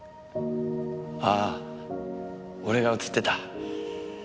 あぁ俺が映ってた？